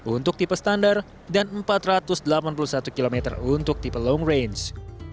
untuk tipe standar dan empat ratus delapan puluh satu km untuk tipe long range